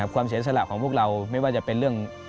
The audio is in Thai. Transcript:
เสียสละของพวกเราไม่ว่าจะเป็นเรื่อง